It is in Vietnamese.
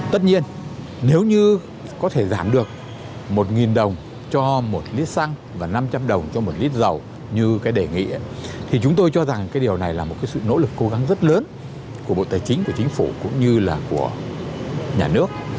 tất nhiên nếu như có thể giảm được một đồng cho một lít xăng và năm trăm linh đồng cho một lít dầu như cái đề nghị thì chúng tôi cho rằng cái điều này là một cái sự nỗ lực cố gắng rất lớn của bộ tài chính của chính phủ cũng như là của nhà nước